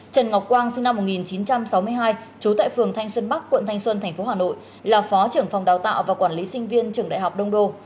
trần ngọc quang sinh năm một nghìn chín trăm sáu mươi hai trú tại phường thanh xuân bắc quận thanh xuân tp hà nội là phó trưởng phòng đào tạo và quản lý sinh viên trường đại học đông đô